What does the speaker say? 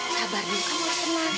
sabar dong kamu harus teman